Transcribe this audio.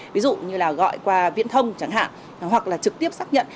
ví dụ như là gọi qua viễn thông chẳng hạn hoặc là trực tiếp xác nhận